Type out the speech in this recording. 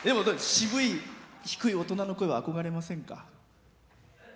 渋い低い大人の声は憧れませんか？